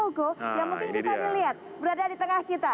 toko yang mungkin bisa dilihat berada di tengah kita